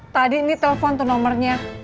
tadi ini telfon tuh nomernya